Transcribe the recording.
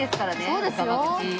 そうですよ。